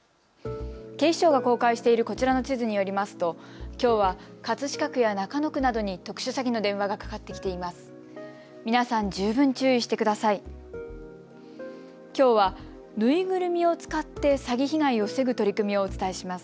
警視庁が公開しているこちらの地図によりますときょうは葛飾区や中野区などに特殊詐欺の電話がかかってきています。